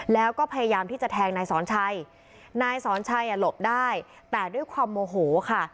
แล้วก็พยายามที่จะแทงนายสอนชัยนายสอนชัยอ่ะหลบได้แต่ด้วยความโมโหค่ะ